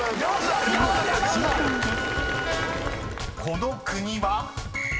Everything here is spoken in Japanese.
［この国は？］